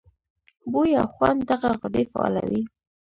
بوۍ او خوند دغه غدې فعالوي.